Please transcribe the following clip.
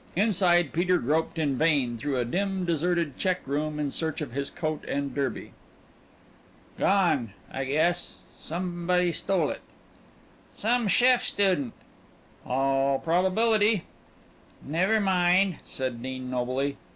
Inside Peter groped in vain through a dim, deserted check room in search of his coat and derby. "Gone, I guess. Somebody stole it." "Some Sheff student." "All probability." "Never mind," said Dean, nobly.